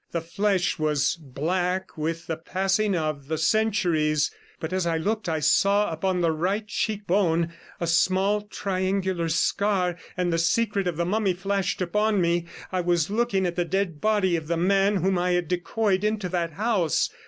The flesh was black with the passing of the centuries; but as I looked I saw 141 upon the right cheek bone a small triangular scar, and the secret of the mummy flashed upon me: I was looking at the dead body of the man whom I had decoyed into that house.